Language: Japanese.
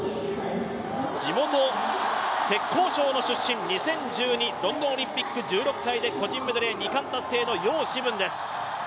地元浙江省の出身、２０１２ロンドンオリンピック、１６歳で個人メドレー２冠達成の葉詩文です